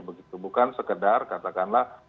bukan sekedar katakanlah